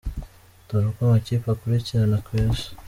Dore uko amakipe akurikirana ku isi:.